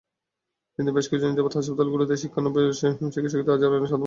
কিন্তু বেশ কিছুদিন যাবৎ হাসপাতালগুলোতে শিক্ষানবিশ চিকিৎসকদের আচরণে সাধারণ মানুষ অত্যন্ত বিরক্ত।